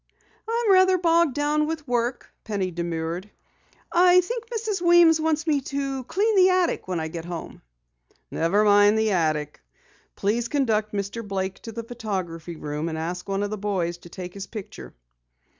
"I'm rather bogged down with work," Penny demurred. "I think Mrs. Weems wants me to clean the attic when I get home." "Never mind the attic. Please conduct Mr. Blake to the photography room and ask one of the boys to take his picture."